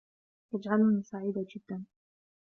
يجعلني سعيدة جدا.